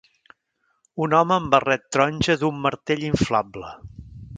Un home amb barret taronja duu un martell inflable.